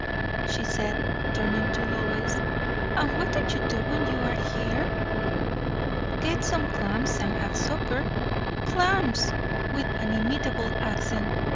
she said, turning to Lois; "and what do you do when you are here?" "Get some clams and have supper." "Clams!" with an inimitable accent.